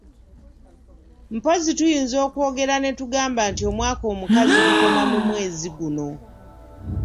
Mpozzi tuyinza okwogera ne tugamba nti omwaka omukazi gukoma mu mwezi guno.